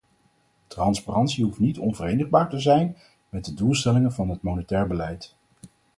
Transparantie hoeft niet onverenigbaar te zijn met de doelstellingen van het monetair beleid.